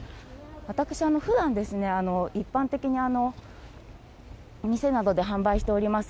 私、ふだんですね、一般的に店などで販売しております